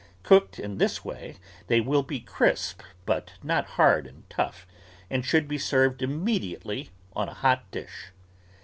Cooked in this way, they will be crisp, but not hard and tough, and should be served imme diately on a hot dish.